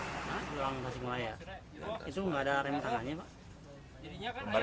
itu nggak ada rem tangannya pak